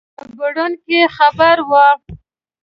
ربړوونکی خبر وو.